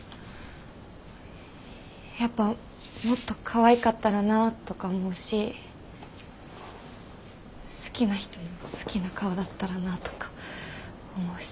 やっぱもっとかわいかったらなとか思うし好きな人の好きな顔だったらなとか思うし。